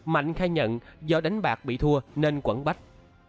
mạnh khai nhận do đánh bạc bị thua nên quẩn bách